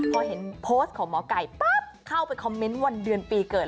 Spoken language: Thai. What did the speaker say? พอเห็นโพสต์ของหมอไก่ปั๊บเข้าไปคอมเมนต์วันเดือนปีเกิด